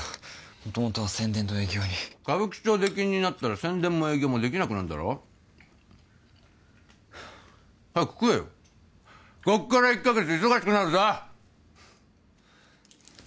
元々は宣伝と営業に歌舞伎町出禁になったら宣伝も営業もできなくなんだろ早く食えよこっから１か月忙しくなるぞ！